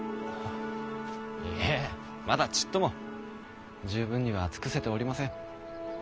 いえまだちっとも十分には尽くせておりません。